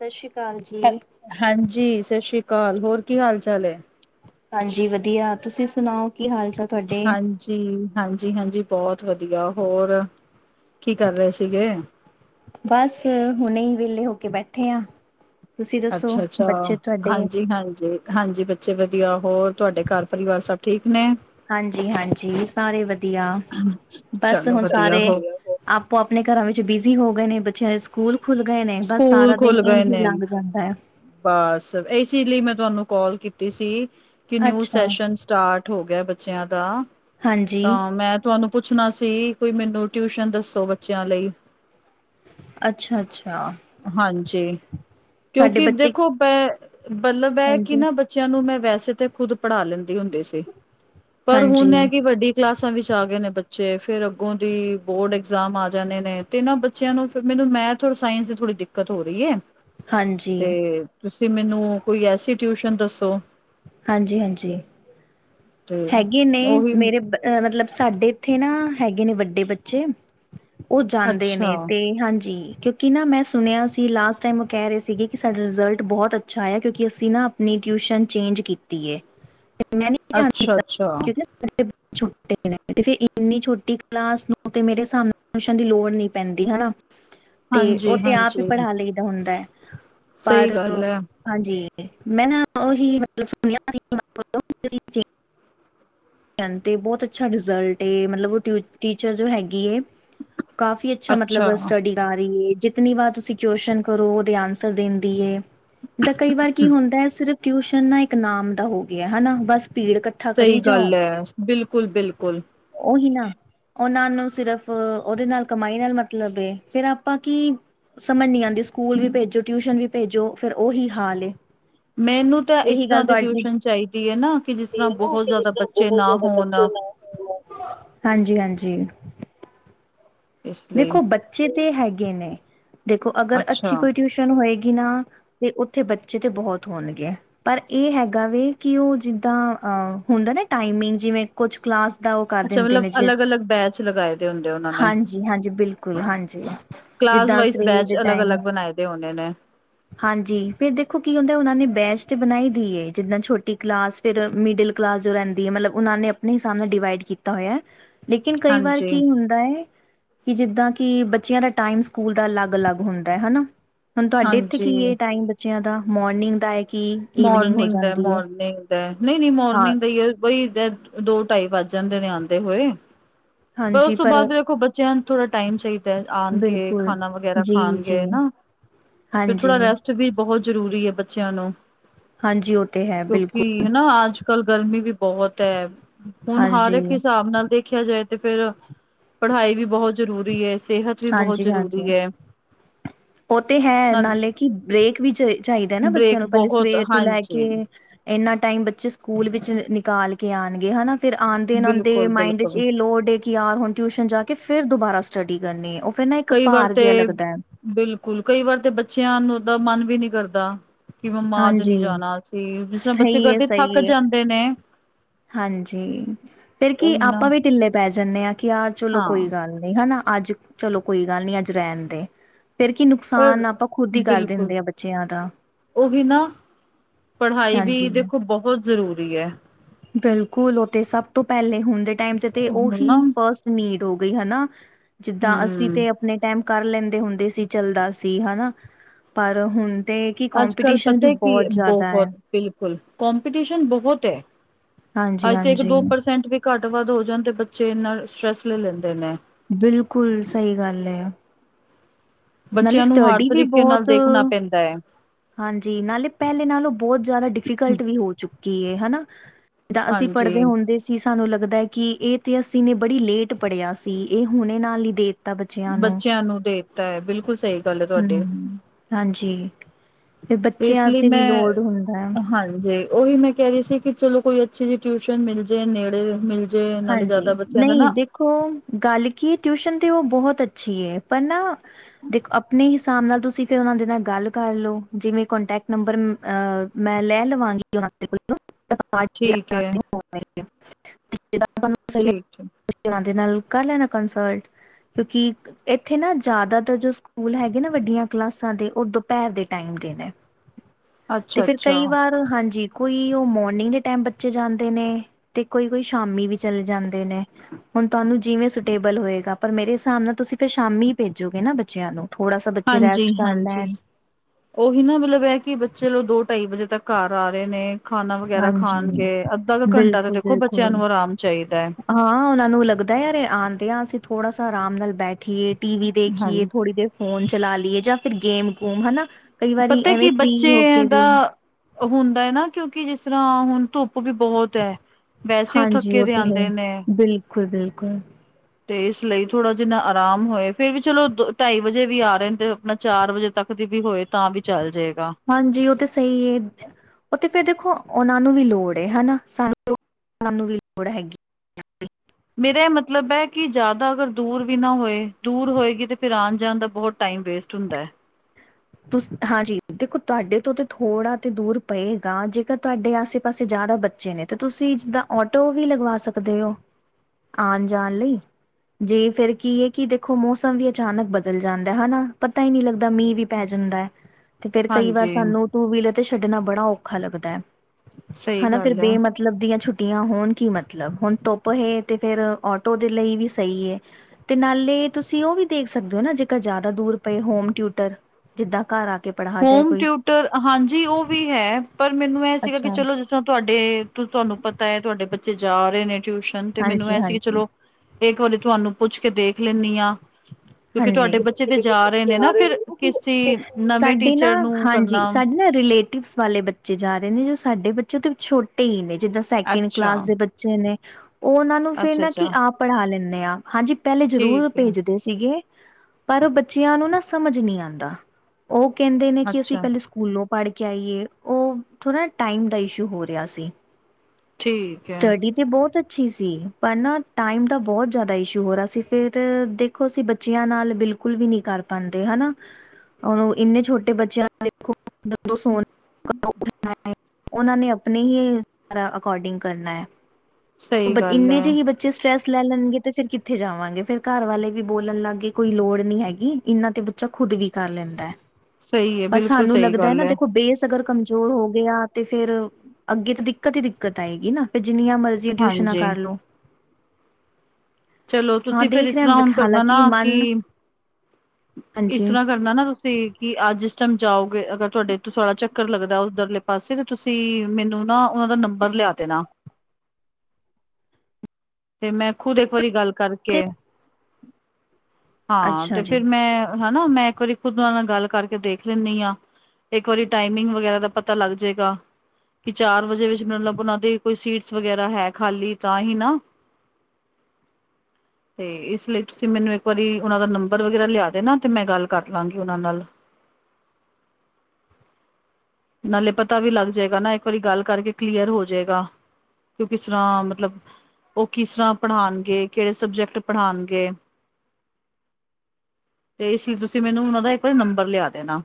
ਸ਼ਸਰੀਕਾਲ ਜੀ ਹੈ ਹਾਂਜੀ, ਸਸਰੀਕਾਲ ਹੋਰ ਕੀ ਹਾਲ-ਚਾਲ ਏ ਹਾਂਜੀ ਵਦੀਆ ਤੁਸੀਂ ਸੁਨਾਓ ਕੀ ਹਾਲ-ਚਾਲ ਤੁਹਾਡੇ ਜੀ ਹਾਂਜੀ, ਹਾਂਜੀ ਬਹੁਤ ਵਦੀਆ ਹੋਰ ਕੀ ਕਰ ਰਹੇ ਸੀਗੇ ਬਸ ਹੁਨੇ ਈ ਵੇਹਲੇ ਹੋ ਕੇ ਬੈਠੇ ਆ ਤੁਸੀਂ ਦੱਸੋ ਅੱਛਾ-ਅੱਛਾ ਬੱਚੇ ਤੁਹਾਡੇ ਹਾਂਜੀ- ਹਾਂਜੀ ਹਾਂਜੀ ਬੱਚੇ ਵਦੀਆ ਹੋਰ ਤੁਹਾਡੇ ਘਰ ਪਰਿਵਾਰ ਸਭ ਠੀਕ ਨੇ ਹਾਂਜੀ, ਹਾਂਜੀ ਸਾਰੇ ਵਦੀਆ ਬਸ ਚਲੋ ਹੁਨ ਵਧੀਆ ਸਾਰੇ ਹੋ ਆਪੋ ਆਪਨੇ ਘਰਾਂ ਵਿੱਚ ਬਿਜ਼ੀ ਹੋ ਗਏ ਨੇ ਬੱਚਿਆਂ ਸਕੂਲ ਖੁੱਲ ਗਏ ਨੇ, ਬਸ ਸਕੂਲ ਸਾਰਾ ਦਿਨ ਖੁੱਲ ਗਏ ਇੰਝ ਹੀ ਨੇ ਲੰਘ ਜਾਂਦਾ ਐ ਬਸ ਇਸੇ ਲਈ ਮੈਂ ਤੁਹਾਨੂੰ ਕੋਲ ਕੀਤੀ ਸੀ ਕਿ ਨਿਊ ਅੱਛਾ ਸੈਸ਼ਨ ਸਟਾਰਟ ਹੋ ਗਿਆ ਬੱਚਿਆਂ ਦਾ ਹਾਂਜੀ ਤਾਂ ਮੈਂ ਤੁਹਾਨੂੰ ਪੁੱਛਨਾ ਸੀ ਕੋਈ ਮੈਨੂੰ ਟਿਊਸ਼ਨ ਦੱਸੋ ਬੱਚਿਆਂ ਲਈ ਅੱਛਾ ਅੱਛਾ ਹਾਂਜੀ, ਤੁਹਾਡੇ ਕਿਉਂਕਿ ਬੱਚੇ ਦੇਖੋਂ ਬ ਪਹਲੈ ਬੈ ਕੇ ਹਾਂਜੀ ਨਾ ਬਚ ਬੱਚਿਆਂ ਨੂੰ ਮੈਂ ਵੈਸੇ ਤਾਂ ਖੁਦ ਪੜ੍ਹਾ ਲੈਂਦੀ ਹੁੰਦੀ ਸੀ ਪਰ ਹਾਂਜੀ ਹੁਨ ਐ ਕਿ ਵੱਡੀ ਕਲਾਸਾਂ ਵਿੱਚ ਆ ਗਏ ਨੇ ਬੱਚੇ ਫੇਰ ਅੱਗੋਂ ਦੀ ਬੋਰਡ ਐਗਜ਼ਾਮ ਆ ਜਾਨੇ ਨੇ ਤੇ ਨਾਂ ਬਚ ਬੱਚਿਆਂ ਨੂੰ, ਫਿਰ ਮੈਨੂੰ ਮੈਥ ਔਰ ਸਾਇੰਸ ਥੋੜੀ ਦਿੱਕਤ ਹੋ ਰਹੀ ਏ ਹਾਂਜੀ ਤੇ ਤੁਸੀਂ ਮੈਨੂੰ ਕੋਈ ਐਸੀ ਟਿਊਸ਼ਨ ਦੱਸੋ ਹਾਂਜੀ ਹਾਂਜੀ, ਤੇ ਹੈਗੇ ਨੇ ਉਹੀ ਮੇਰੇ ਬ ਅ ਮਤਲਬ ਸਾਡੇ ਇੱਥੇ ਨਾ ਹੈਗੇ ਨੇ ਵੱਡੇ ਬੱਚੇ ਉਹ ਜਾਂਦੇ ਅੱਛਾ, ਨੇ ਤੇ ਹਾਂਜੀ ਕਿਉਂ ਕਿ ਨਾ ਮੈਂ ਸੁਨਿਆ ਸੀ ਲਾਸਟ ਟਾਈਮ ਉਹ ਕਹਿ ਰਹੇ ਸੀਗੇ ਕਿ ਸਾਡਾ ਰਿਜ਼ਲਟ ਬਹੁਤ ਅੱਛਾ ਆਇਆ ਕਿਉਂਕਿ ਅਸੀਂ ਨਾ ਨੀ ਟਿਊਸ਼ਨ ਚੇਂਜ ਕੀਤੀ ਏ ਤੇ ਮੈਂ ਨੀ ਧਿਆਨ ਅੱਛਾ, ਦਿੱਤਾ ਅੱਛਾ ਕਿਓਕੀ [unintelligible] ਫਿਰ ਇੰਨੀ ਛੋਟੀ ਕਲਾਸ ਨੂੰ ਤੇ ਮੇਰੇ ਸਾਮਣੇ। ਟੂਸ਼ਣ ਦੀ ਲੋੜ ਨੀ ਪੈਂਦੀ ਹੈਨਾ [inaudible] ਤੇ ਉਹ ਤੇ ਆਪ ਹੀ ਹਾਂਜੀ। ਪੜ੍ਹਾ ਲਈ ਹੁੰਦਾ ਹੈ ਸਹੀ ਪਰ ਗੱਲ ਹੈ, ਹਾਂਜੀ ਮੈਂ ਨਾ ਉਹੀ [unintelligible] ਕਹੰਦੇ ਬਹੁਤ ਅੱਛਾ ਰਿਜ਼ਲਟ ਏ ਮਤਲਬ ਉਹ ਟਓ ਟੀਚਰ ਜੋ ਹੈਗੀ ਏ ਕਾਫੀ ਅੱਛਾ ਮਤਲੱਬ ਸਟੱਡੀ ਕਰਾ ਰਈ ਏ ਜਿਤਨੀ ਵਾਰ ਤੁਸੀਂ ਕਯੂਸ਼ਣ ਕਰੋ ਉਹਦੇ ਆਂਸਰ ਦੇੰਦੀ ਏ ਹੁਨ ਤਾਂ ਕਈ ਵਾਰ ਕੀ ਹੁੰਦਾ ਹੈ ਸਿਰਫ ਟਿਊਸ਼ਨ ਨਾ ਇੱਕ ਨਾਮ ਦਾ ਹੋ ਗਿਆ ਹੈਨਾ ਬਸ ਭੀੜ ਕਠ ਸਹੀ ਗੱਲ ਐ ਬਿਲਕੁਲ-ਬਿਲਕੁਲ ਉਹਹੀ ਨਾ ਓਨਾਂ ਨੂੰ ਸਿਰਫ ਉਹਦੇ ਨਾਲ ਕਮਾਈ ਨਾਲ ਮਤਲੱਬ ਏ ਫਿਰ ਆਪਾਂ ਕੀ ਸਮਝੀ ਨੀ ਆੰਦੀ ਸਕੂਲ ਵੀ ਭੇਜੋ ਟਿਊਸ਼ਨ ਵੀ ਭੇਜੋ ਫੇਰ ਉਹੀ ਹਾਲ ਏ ਮੈਨੂੰ ਤਾਂ ਇਸ ਇਹੀ ਤਰ੍ਹਾਂ ਗੱਲ ਦੀ ਤੁਹਾਡੀ ਟਿਊਸ਼ਨ ਚਾਹੀਦੀ ਏ ਨਾ ਕਿ ਜਿਸ ਤਰ੍ਹਾਂ ਬਹੁਤ ਜ਼ਿਆਦਾ ਬੱਚੇ ਨਾ ਹੋਨ ਹਾਂਜੀ ਹਾਂਜੀ। ਇਸ ਲਈ ਦੇਖੋ ਬੱਚੇ ਤੇ ਹੈਗੇ ਨੇ, ਦੇਖੋ ਅਗਰ ਅੱਛੀ ਅੱਛਾ ਕੋਈ ਟਿਊਸ਼ਨ ਹੋਏਗੀ ਨਾ ਤੇ ਉੱਥੇ ਬੱਚੇ ਤੇ ਬਹੁਤ ਹੋਨਗੇ ਪਰ ਇਹ ਹੈਗਾ ਵੇ ਕਿ ਉਹ ਜਿੱਦਾਂ ਆ ਹੁੰਦਾ ਨਾ ਇਕ ਟਾਈਮਿੰਗ ਜਿਵੇਂ ਕੁਛ ਕਲਾਸ‌ ਅੱਛਾ, ਮਤਲਬ ਅਲੱਗ-ਅਲੱਗ ਬੈਚ ਲਗਾਏ ਡੇ ਹੁੰਦੇ ਓਨਾਂ ਨੇ। ਜੀ ਹਾਂਜੀ, ਬਿਲਕੁਲ ਹਾਂਜੀ। ਕਲਾਸ ਜਿੱਦਾਂ ਵਾਈਜ਼ ਸਵੇਰ ਬੈਚ ਦੇ ਟਾਈਮ ਅਲੱਗ-ਅਲੱਗ ਬਨਾਏ ਦੇ ਹੋਨੇ ਨੇ। ਹਾਂਜੀ ਫਿਰ ਦੇਖੋ ਕਿ ਹੁੰਦਾ ਓਨਾਂ ਨੇ ਬੈਚ ਤੇ ਬਨਾਈ ਦੀਏ ਜਿੱਦਾਂ ਛੋਟੀ ਕਲਾਸ ਫਿਰ ਮਿਡਲ ਕਲਾਸ ਜੋ ਰੈਂਦੀ ਮਤਲਬ ਓਨਾਂ ਨੇ ਅਪਨੇ ਹਿਸਾਬ ਨਾਲ ਡੀਵਾਈਡ ਕੀਤਾ ਹੋਏਆ। ਲੇਕਿਨ ਕਈ ਵਾਰ ਹਾਂਜੀ ਕੀ ਹੁ ਦਾ ਐ ਕਿ ਜਿਦਾਂ ਕਿ ਬੱਚੇਆਂ ਦਾ ਟਾਈਮ ਸਕੂਲ ਦਾ ਅਲੱਗ-ਅਲੱਗ ਹੁੰਦਾ ਐ ਹਨਾ। ਹੁਨ ਤੁਆਡੇ ਏਥੇ ਹਾਂਜੀ ਕੀ ਐ ਟਾਈਮ ਬੱਚੇਆਂ ਦਾ, ਮੋਰਨਿੰਗ ਦਾ ਐ ਕੀ ਮੋਰਨਿੰਗ ਦਾ ਐ, ਮੋਰਨਿੰਗ ਦਾ ਐ, ਨਈ-ਨਈ ਹਾਂ ਮੋਰਨਿੰਗ ਦਾ ਈ ਐ। ਬਈ ਦ ਦੋ ਢਾਈ ਵੱਜ ਜਾਂਦੇ ਨੇ ਆਂਦੇ ਹੋਏ। ਪਰ ਉਸ ਤੋਂ ਬਾਦ ਵੀ ਦੇਖੋ ਬੱਚੇਆਂ ਨੂੰ ਥੋੜ੍ਹਾ ਟਾਈਮ ਚਾਈਦਾ ਆਨਗੇ ਬਿਲਕੁਲ ਖਾਨਾ ਵਗੈਰਾ ਖਾਨਗੇ ਹਨਾ। ਹਾਂ ਥੋੜਾ ਰੈਸਟ ਵੀ ਬੋਹਤ ਜਰੂਰੀ ਐ ਬੱਚਿਆਂ ਨੂੰ। ਹਾਂਜੀ ਓ ਤੇ ਹੈ ਬਿਲਕੁੱਲ। [unintelligible] ਨਾ ਅੱਜ-ਕੱਲ ਗਰਮੀ ਵੀ ਬੋਹਤ ਐ ਹੁਨ ਹਰ ਇੱਕ ਹਿਸਾਬ ਨਾਲ ਦੇਖ ਦੇਖੇਆ ਜਾਏ ਤੇ ਫੇਰ ਪੜ੍ਹਾਈ ਵੀ ਬੋਹਤ ਜ਼ਰੂਰੀ ਐ ਸੇਹਤ ਤ ਵੀ ਬੋਹਤ ਜ਼ਰੂਰੀ ਐ। ਓ ਤੇ ਹੈ ਨਾਲੇ ਕਿ ਬ੍ਰੇਕ ਵੀ ਚ ਚਾਈਦਾ ਐ ਨਾ ਬੱਚੇਆਂ ਬ੍ਰੇਕ ਨੂੰ ਪੈਲੇ ਬਹੁਤ ਸਵੇਰ ਤੋਂ ਲੈ ਹਾਂਜੀ ਕੇ ਏਨਾਂ ਟਾਈਮ ਬੱਚੇ ਸਕੂਲ ਵਿੱਚ ਨਿਕਾਲ ਕੇ ਆਨਗੇ ਹਨਾ। ਫੇਰ ਆਂਦੇ ਏਨਾਂ ਦੇ ਬਿਲਕੁਲ ਮਾਂਇਡ 'ਚ ਬਿਲਕੁਲ ਏ ਲੋਡ ਏ ਕਿ ਯਾਰ ਹੁਨ ਟਿਊਸ਼ਨ ਜਾ ਕੇ ਫੇਰ ਦੁਬਾਰਾ ਸਟੱਡੀ ਕਰਨੀ। ਫਿਰ ਨਾ ਇੱਕ ਕਈ ਵਾਰ ਭਾਰ ਜਿਹਾ ਤੇ, ਲੱਗਦਾ ਹੈ ਬਿਲਕੁਲ ਕਈ ਵਾਰ ਤੇ ਬੱਚੇਆਂ ਨੂੰ ਤਾਂ ਮਨ ਵੀ ਨੀ ਕਰਦਾ। ਕਿ ਮੰਮਾ ਅੱਜ ਹਾਂਜੀ ਨੀਂ ਜਾਨਾ ਅਸੀਂ ਜਿਸ ਤਰਾਂ ਬੱਚੇ ਸਹੀ ਹੈ ਕਰਦੇ ਥੱਕ ਸਹੀ ਹੈ ਜਾਂਦੇ ਨੇ। ਹਾਂਜੀ, ਫਿਰ ਕੀ ਉਹੀ ਨਾ ਆਪਾਂ ਵੀ ਢਿੱਲੇ ਪੈ ਜਾਂਨੇ ਆਂ ਕਿ ਯਾਰ ਚਲੋ ਕੋਈ ਹਾਂ ਗੱਲ ਨੀ ਹਨਾ ਅੱਜ ਚਲੋ ਕੋਈ ਗੱਲ ਨੀ ਅੱਜ ਰੈਨ ਦੇ ਫੇਰ ਕਿਨੂੰ ਪਰ ਨੁਕਸਾਨ ਆਪਾਂ ਖੁਦ ਈ ਕਰ ਦੇਂਦੇ ਆਂ ਬੱਚੇਆਂ ਦਾ। ਓਹੀ ਨਾ ਪੜ੍ਹਾਈ ਵੀ ਹਾਂਜੀ ਦੇਖੋ ਬੋਹਤ ਜ਼ਰੂਰੀ ਐ। ਬਿਲਕੁਲ ਓ ਤੇ ਸਭ ਤੋਂ ਪੈਲੇ ਹੁਨ ਦੇ ਟਾਈਮ ਤੇ ਤੇ ਓਹੀ ਹਨਾ ਫਸਟ ਨੀਡ ਹੋ ਗਈ ਹਨਾ ਜਿੱਦਾਂ ਅਸੀਂ ਹੂੰ ਤੇ ਅਪਨੇ ਟਾਈਮ ਕਰ ਲੈਂਦੇ ਹੁੰਦੇ ਸੀ ਚੱਲਦਾ ਸੀ ਹਨਾ ਪਰ ਹੁਨ ਅੱਜ ਕੱਲ ਪਤਾ ਕੀ ਹੈ ਬੋਹਤ ਬਿਲਕੁਲ ਕੰਪੀਟੀਸ਼ਨ ਬੋਹਤ ਐ। ਅੱਜ ਤੇ ਹਾਂਜੀ-ਹਾਂਜੀ। ਇੱਕ-ਦੋ ਪਰਸੈਂਟ ਵੀ ਘੱਟ ਵੱਧ ਹੋ ਜਾਨ ਤੇ ਬੱਚੇ ਇੰਨਾ ਸਟਰ੍ਰੈਸ ਲੈ ਲੈਂਦੇ ਨੇ। ਬਿਲਕੁਲ ਸਈ ਗੱਲ ਐ। ਨਾਲੇ ਬੱਚਿਆਂ ਨੂੰ ਹਰ ਸਟੱਡੀ ਵੀ ਤਰੀਕੇ ਨਾਲ ਬੋਤ ਦੇਖਣਾ ਪੈਂਦਾ ਹੈ ਹਾਂਜੀ ਨਾਲੇ ਪੈਲੇ ਨਾਲੋਂ ਬੋਤ ਜਾਦਾ ਡਿਫੀਕਲਟ ਵੀ ਹੋ ਚੁੱਕੀ ਏ ਹਨਾ। ਜਿੱਦਾਂ ਅਸੀਂ ਹਾਂਜੀ। ਪੜ੍ਹਦੇ ਹੁੰਦੇ ਸੀ। ਸਾਨੂੰ ਲੱਗਦਾ ਐ ਕਿ ਏ ਤੇ ਅਸੀਂ ਨੇ ਬੜੀ ਲੇਟ ਪੜ੍ਹਿਆ ਸੀ ਏ ਹੁਣੇ ਨਾਲ ਹੀ ਦੇ ਤਾ ਬੱਚਿਆਂ ਬੱਚੇਆਂ ਨੂੰ ਦੇ ਤਾ ਐ ਬਿਲਕੁਲ ਸਹੀ ਗੱਲ ਹੈ ਤੁਹਾਡੀ ਹੂੰ ਹਾਂਜੀ। ਫਿਰ ਇਸ ਬੱਚੇਆਂ ਤੇ ਵੀ ਲੋੜ ਹੁੰਦਾ ਐ। ਓਹੀ ਮੈਂ ਕੈ ਰੀ ਸੀ ਕਿ ਚਲੋ ਕੋਈ ਅੱਛੀ ਜੀ ਟਿਊਸ਼ਨ ਮਿਲ ਜੇ ਨੇੜੇ ਮਿਲ ਜੇ ਜੇ ਨਾਲੇ ਹਾਂਜੀ ਜਾਦਾ ਬੱਚੇਆਂ ਦਾ ਨਹੀਂ ਨਾ ਦੇਖੋ ਗੱਲ ਕੀ ਐ ਟਿਊਸ਼ਨ ਤੇ ਓ ਬੋਹਤ ਅੱਛੀ ਏ ਪਰ ਨਾ ਦੇਖੋ ਅਪਨੇ ਇਸ ਸਾਬ ਨਾਲ ਤੁਸੀਂ ਫਿਰ ਓਨਾਂ ਦੇ ਨਾਲ ਗੱਲ ਕਰ ਲੋ, ਜਿਵੇਂ ਕੋਂਟੈਕਟ ਨੰਬਰ ਅਹ ਮੈਂ ਲੈ ਲਵਾਂਗੀ। ਓਦੇ ਕੋਲੋਂ ਠੀਕ ਹੈ [unintelligible] ਜਿਦਾਂ ਤੁਆਨੁ ਸਈ ਠੀਕ ਹੈ ਲੱਗੇ [unintelligible] ਓਦੇ ਨਾਲ ਕਰ ਲੈਨਾ ਕੰਸਲਟ ਕਿਉਂਕਿ ਇੱਥੇ ਨਾ ਜ਼ਿਆਦਾਤਰ ਜੋ ਸਕੂਲ ਹੈਗੇ ਨਾ ਵੱਡੀਆਂ ਕਲਾਸਾਂ ਦੇ, ਉਹ ਦੁਪਹਿਰ ਦੇ ਟਾਈਮ ਦੇ ਨੇ। [inaudible] ਤੇ ਅੱਛਾ ਫਿਰ ਅੱਛਾ ਕਈ ਵਾਰ ਹਾਂਜੀ ਕੋਈ ਉਹ ਮੋਰਨਿੰਗ ਦੇ ਟਾਈਮ ਬੱਚੇ ਜਾਂਦੇ ਨੇ ਤੇ ਕੋਈ - ਕੋਈ ਸ਼ਾਮੀ ਵੀ ਚਲੇ ਜਾਂਦੇ ਨੇ। ਹੁਣ ਤੁਹਾਨੂੰ ਜਿਵੇਂ ਸੁਟੇਬਲ ਹੋਏਗਾ, ਪਰ ਮੇਰੇ ਹਿਸਾਬ ਨਾਲ ਤੁਸੀਂ ਫਿਰ ਸ਼ਾਮੀ ਭੇਜੋਗੇ ਨਾ ਬੱਚਿਆਂ ਨੂੰ। ਥੋੜਾ ਸਾ ਬੱਚੇ ਰੈਸਟ ਹਾਂਜੀ ਕਰ ਹਾਂਜੀ ਲੈਣ। ਉਹੀ ਨਾ ਮਤਲਬ ਹੈ ਕਿ ਬੱਚੇ ਲੋ ਦੋ ਢਾਈ ਵਜੇ ਤੱਕ ਘਰ ਆ ਰਹੇ ਨੇ ਖਾਣਾ ਵਗੈਰਾ ਹਾਂਜੀ ਖਾਣਗੇ, ਅੱਧਾ ਕੁ ਘੰਟਾ ਤੇ ਦੇਖੋ ਬੱਚਿਆਂ ਬਿਲਕੁਲ-ਬਿਲਕੁਲ। ਨੂੰ ਆਰਾਮ ਚਾਹੀਦਾ ਹੈ। ਹਾਂ ਉਹਨਾਂ ਨੂੰ ਲੱਗਦਾ ਯਾਰ ਆਉਂਦੇ ਆ ਅਸੀਂ ਥੋੜ੍ਹਾ ਸਾ ਆਰਾਮ ਨਾਲ ਬੈਠ ਖੇਡੀਏ, ਟੀ ਵੀ ਦੇਖੀਏ, ਹਾਂਜੀ ਥੋੜੀ ਦੇਰ ਫੋਨ ਚਲਾ ਲਈਏ, ਜਾਂ ਫਿਰ ਗੇਮ- ਗੂਮ ਹਨਾ। ਕਈ ਵਾਰੀ ਪਤਾ ਐਵੇਂ ਕਿ ਬੱਚੇ ਫ੍ਰਰੀ ਹੋ ਆਂ ਕੇ ਦਾ ਵੀ ਉਹ ਹੁੰਦਾ ਹੈ ਨਾ ਕਿਉਂਕਿ ਜਿਸ ਤਰ੍ਹਾਂ ਹੁਣ ਧੁੱਪ ਵੀ ਬਹੁਤ ਹੈ। ਵੈਸੇ ਉਹ ਥੱਕੇ ਦੇ ਆਉਂਦੇ ਨੇ। ਬਿਲਕੁਲ -ਬਿਲਕੁਲ! ਤੇ ਇਸ ਲਈ ਥੋੜਾ ਜਿਨਾ ਆਰਾਮ ਹੋਏ, ਫੇਰ ਵੀ ਚਲੋ ਢਾਈ ਵਜੇ ਵੀ ਆ ਰਹੇ ਨੇ ਤੇ ਆਪਣਾ ਚਾਰ ਵਜੇ ਤੱਕ ਦੀ ਵੀ ਹੋਏ ਤਾਂ ਵੀ ਚੱਲ ਜਾਏਗਾ। ਹਾਂਜੀ, ਉਹ ਤੇ ਸਹੀਏ। ਉਹ ਤੇ ਫੇਰ ਦੇਖੋ ਉਹਨਾਂ ਨੂੰ ਵੀ ਲੋੜ ਹਨਾ, ਸਾਨੂੰ -ਸਾਨੂੰ ਵੀ ਲੋੜ ਹੈਗੀ। ਮੇਰਾ ਇਹ ਮਤਲਬ ਹੈ ਕਿ ਜ਼ਿਆਦਾ ਅਗਰ ਦੂਰ ਵੀ ਨਾ ਹੋਏ, ਦੂਰ ਹੋਏਗੀ ਤੇ ਆਉਣ ਜਾਣ ਦਾ ਬਹੁਤ ਟਾਈਮ ਵੇਸਟ ਹੁੰਦਾ ਹੈ। ਹਾਂਜੀ ਦੇਖੋ ਤੁਹਾਡੇ ਤੋਂ ਤਾਂ ਥੋੜਾ ਤੇ ਦੂਰ ਪਏਗਾ, ਜੇਕਰ ਤੁਹਾਡੇ ਆਸੇ ਪਾਸੇ ਜਿਆਦਾ ਬੱਚ ਬੱਚੇ ਨੇ ਤੇ ਤੁਸੀਂ ਜਿੱਦਾ ਆਟੋ ਵੀ ਲਗਵਾ ਸਕਦੇ ਹੋ, ਆਉਣ ਜਾਣ ਲਈ। ਜੇ ਫਿਰ ਕੀ ਹੈ ਕਿ ਦੇਖੋ ਮੌਸਮ ਵੀ ਅਚਾਨਕ ਬਦਲ ਜਾਂਦਾ ਹਨਾ, ਪਤਾ ਈ ਨਹੀ ਲੱਗਦਾ ਮੀਂਹ ਵੀ ਪੈ ਜਾਂਦਾ ਹੈ, ਤੇ ਫੇਰ ਕਈ ਵਾਰ ਹਾਂਜੀ ਸਾਨੂੰ ਟੂ ਵੀਲਰ ਤੇ ਛੱਡਣਾ ਬੜਾ ਔਖਾ ਲੱਗਦੈ। ਸਹੀ ਹਨਾ ਫਿਰ ਗੱਲ ਹੈ। ਬੇ ਮ ਮਤਲਬ ਦੀਆਂ ਛੁੱਟੀਆਂ ਹੋਣ, ਕੀ ਮਤਲਬ ਹੁਣ ਧੁੱਪ ਹੈ ਤੇ ਫਿਰ ਆਟੋ ਦੇ ਲਈ ਵੀ ਸਹੀ ਐ। ਤੇ ਨਾਲੇ ਤੁਸੀਂ ਉਹ ਵੀ ਦੇਖ ਸਕਦੇ ਓ ਨਾ ਜੇਕਰ ਜ਼ਿਆਦਾ ਦੂਰ ਪਏ ਹੋਮ ਟਿਊਟਰ ਜਿੱਦਾਂ ਘਰ ਆ ਕੇ ਪੜ੍ਹਾ ਜਾਏ ਹੋਮ ਕੋਈ ਟਿਊਟਰ ਹਾਂਜੀ ਉਹ ਵੀ ਹੈ, ਪਰ ਮੈਨੂੰ ਇਹ ਸੀਗਾ ਕਿ ਅੱਛਾ ਚਲੋ ਕਿਉਂ ਤੁਹਾਡੇ ਤੁਹਾਨੂੰ ਪਤਾ ਹੈ ਤੁਹਾਡੇ ਬੱਚੇ ਜਾ ਰਹੇ ਨੇ ਟਿਊਸ਼ਨ ਤੇ, ਮੈਨੂੰ ਹਾਂਜੀ ਇਹ ਸੀ ਕਿ ਹਾਂਜੀ ਚਲੋ ਦੇਖੋ ਇੱਕ ਵਾਰੀ ਤੁਹਾਨੂੰ ਪੁੱਛ ਕੇ ਦੇਖ ਲੇਨੀ ਆ। ਕਿਉਂਕਿ ਹਾਂਜੀ ਤੁਹਾਡੇ ਬੱਚੇ ਤੇ ਜਾ ਰਹੇ ਨੇ ਨਾ ਫਿਰ ਕਿਸੇ ਨਵੇਂ ਦੀ ਨਾ ਟੀਚਰ ਨੂੰ ਹਾਂਜੀ, ਕਰਨਾ ਸਾਡੇ ਨਾਂ ਰੀਲੇਅ ਟ੍ਰਿੰਪਸ ਵਾਲੇ ਬੱਚੇ ਜਾ ਰਹੇ ਨੇ, ਜੋ ਸਾਡੇ ਬੱਚੇ ਤੇ ਛੋਟੇ ਹੀ ਨੇ, ਜਿੱਦਾ ਸੈਕਿੰਡ ਅੱਛਾ, ਕਲਾਸ ਦੇ ਬੱਚੇ ਬੱਚੇ ਨੇ ਉਹ ਉਹਨਾਂ ਨੂੰ ਫਿਰ ਅੱਛਾ, ਨਾ ਕਿ ਅੱਛਾ ਆਪ ਪੜ੍ਹਾ ਲੈਨੇ ਆ, ਹਾਂਜੀ ਪਹਿਲੇ ਜ਼ਰੂਰ ਠੀਕ ਹੈ। ਭੇਜਦੇ ਸੀਗੇ, ਪਰ ਉਹ ਬੱਚਿਆਂ ਨੂੰ ਨਾ ਸਮਝ ਨਹੀਂ ਆਂਦਾ। ਉਹ ਕਹਿੰਦੇ ਨੇ ਅਸੀ ਅੱਛਾ ਪਹਿਲੇ ਸ ਸਕੂਲੋਂ ਪੜ੍ਹ ਕੇ ਆਈਏ, ਉਹ ਥੋੜ੍ਹਾ ਨਾ ਟਾਈਮ ਦਾ ਇਸ਼ੂ ਹੋ ਰਿਹਾ ਸੀ। ਠੀਕ ਹੈ ਸਟੱਡੀ ਤੇ ਬਹੁਤ ਅੱਛੀ ਸੀ, ਪਰ ਨਾ ਟਾਈਮ ਦਾ ਬਹੁਤ ਜ਼ਿਆਦਾ ਇਸ਼ੂ ਹੋ ਰਿਹਾ ਸੀ, ਫਿਰ ਦੇਖ ਖੋ ਅਸੀਂ ਬੱਚਿਆਂ ਨਾਲ ਬਿਲਕੁਲ ਵੀ ਨਹੀ ਕਰ ਪਾਉਂਦੇ ਹਨਾ, ਉਹ ਇੰਨੇ ਛੋਟੇ ਬੱਚਿਆਂ [unintelligible] ਉਹਨਾਂ ਨੇ ਆਪਣੇ ਹੀ ਆ ਅਕੋਡਿੰਗ ਕਰਨਾ ਹੈ, ਸਹੀ ਗੱਲ ਇੰਨੇ ਚ ਹੈ ਹੀ ਬੱਚੇ ਜੇ ਸਟਰ੍ਰੈਸ ਲੈ ਲੈਣਗੇ ਤੇ ਫ਼ਿਰ ਕਿੱਥੇ ਜਾਵਾਗੇ, ਫਿਰ ਘਰ ਵਾਲੇ ਵੀ ਬੋਲਣ ਲੱਗ ਗੇ ਕੋਈ ਲੋੜ ਨੀ ਹੈਗੀ, ਇਹਨਾਂ ਤੇ ਬੱਚਾ ਖੁਦ ਵੀ ਕਰ ਲੈਂਦਾ। ਸਹੀ ਹੈ ਪਰ ਬਿਲਕੁਲ ਸਾਨੂੰ ਸਹੀ ਲੱਗਦਾ ਐ ਗੱਲ ਨਾ ਹੈ। ਦੇਖੋ ਬੇਸ ਅਗਰ ਕਮ ਜ਼ੋਰ ਹੋ ਗਿਆ ਤੇ ਫੇਰ ਅੱਗੇ ਤਾਂ ਦਿੱਕਤ ਈ ਦਿੱਕਤ ਆਏਗੀ ਨਾ ਫੇਰ ਜਿੰਨੀਆਂ ਮਰਜ਼ੀ ਜੀ ਟਿਊਸ਼ਨਾਂ ਹਾਂਜੀ ਕਰ ਲਓ। ਚਲੋ ਤੁਸੀਂ ਫੇਰ ਇਸ ਤਰ੍ਹਾਂ ਹੁਣ ਕਰਨਾ ਹਾਲਾਂਕਿ ਨਾ ਕਿ ਮਨ ਇਸ ਹਾਂਜੀ ਤਰ੍ਹਾਂ ਕਰਨਾ ਨਾ ਤੁਸੀਂ ਕਿ ਅੱਜ ਜਿਸ ਟੈਮ ਜਾਓਗੇ ਅਗਰ ਤੁਆਡੇ ਤੋ ਥੋੜਾ ਚੱਕਰ ਲੱਗਦਾ ਉਧਰਲੇ ਪਾਸੇ ਤੇ ਤੁਸੀਂ, ਮੈਨੂੰ ਨਾ ਓਨਾਂ ਦਾ ਨੰਬਰ ਲੈਆ ਦੇਣਾ। ਤੇ ਮੈਂ ਖੁਦ ਏਕ ਵਾਰੀ ਗੱਲ ਤੇ ਕਰਕੇ ਹਾਂ ਅੱਛਾ ਤੇ ਜੀ ਫੇਰ ਮੈਂ ਹਨਾ ਮੈਂ ਏਕ ਵਾਰੀ ਖੁਦ ਗੱਲ ਕਰਕੇ ਦੇਖ ਲੇਨੀ ਆ। ਏਕ ਵਾਰੀ ਟਾਈਮਿੰਗ ਵਗੈਰਾ ਦਾ ਪਤਾ ਲੱਗ ਜਾਏਗਾ। ਕੀ ਚਾਰ ਵਜੇ ਵਿੱਚ ਮਤਲਬ ਓਨਾਂ ਦੇ ਕੋਈ ਸੀਟਸ ਵਗੈਰਾ ਹੈ ਖਾਲੀ ਤਾਂ ਹੀ ਨਾ। ਤੇ ਇਸ ਲਈ ਤੁਸੀਂ ਮੈਨੂੰ ਏਕ ਵਾਰੀ ਓਨਾ ਦਾ ਨੰਬਰ ਬਰ ਵਗੈਰਾ ਲਿਆ ਦੇ ਨਾ ਤੇ ਮੈਂ ਗੱਲ ਕਰਲਾ ਗੀ ਓਨਾਂ ਨਾਲ ਨਾਲੇ ਪਤਾ ਵੀ ਲੱਗ ਜਾਏਗਾ ਨਾ ਏਕ ਵਾਰੀ ਗੱਲ ਕਰਕੇ ਕਲੀਅਰ ਹੋ ਜੇਗਾ। ਕਿਉਂਕ ਇਸ ਤਰ੍ਹਾਂ ਮਤਲਬ ਓ ਕਿਸ ਤਰਾਂ ਪੜ੍ਹਾਨਗੇ, ਕੇੜੇ ਸਬਜੈਕਟ ਪੜ੍ਹਾਨਗੇ। ਤੇ ਇਸ ਲਈ ਤੁਸੀਂ ਮੈਨੂੰ ਉਨਾ ਦਾ ਇੱਕ ਵਾਰੀ ਨੰਬਰ ਲੈਆ ਦੇਣਾ।